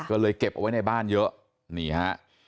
ก็เลยเก็บเอาไว้ในบ้านเยอะนี่ฮะ